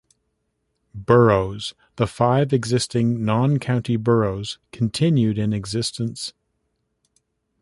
Boroughs: The five existing non-county boroughs continued in existence.